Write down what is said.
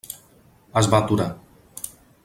Es va aturar.